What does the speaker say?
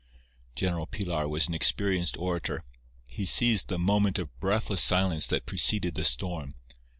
General Pilar was an experienced orator. He seized the moment of breathless silence that preceded the storm.